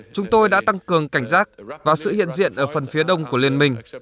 chúng tôi đã tăng cường cảnh giác và sự hiện diện ở phần phía đông của liên minh